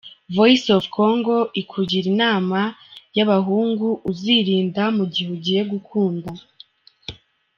Voice of Congo ikugira inama y’abahungu uzirinda mu gihe ugiye gukunda.